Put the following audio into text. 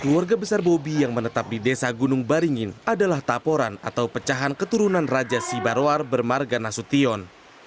keluarga besar bobi yang menetap di desa gunung baringin adalah taporan atau pecahan keturunan raja sibarwar bermarga nasution